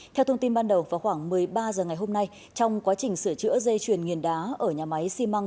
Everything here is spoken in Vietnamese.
theo thông tin ban đầu vào khoảng một mươi ba h ngày hôm nay trong quá trình sửa chữa dây chuyền nghiền đá ở nhà máy xi măng